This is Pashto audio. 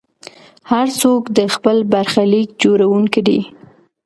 هر څوک د خپل برخلیک جوړونکی دی.